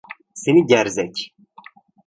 Seni gerzek!